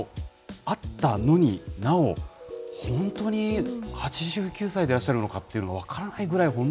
会ったのになお、本当に８９歳でいらっしゃるのかというのが分からないぐらい